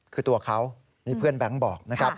คือตัวเขานี่เพื่อนแบงค์บอก